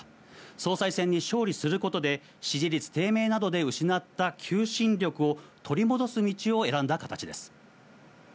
総裁選に勝利することで、支持率低迷などで失った求心力を取り戻す道を選んだ形です。